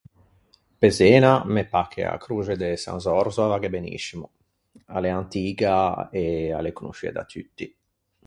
Pe Zena me pâ che a croxe de San Zòrzo a vagghe beniscimo: a l’é antiga, e a l’é conosciua da tutti.